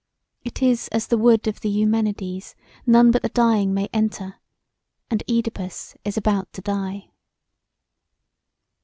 It is as the wood of the Eumenides none but the dying may enter; and Oedipus is about to die.